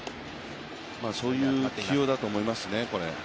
そういう起用だと思いますね。